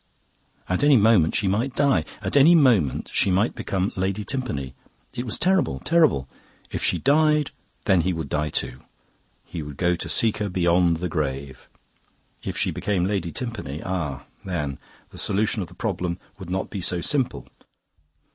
"At any moment she might die; at any moment she might become Lady Timpany. It was terrible, terrible. If she died, then he would die too; he would go to seek her beyond the grave. If she became Lady Timpany...ah, then! The solution of the problem would not be so simple.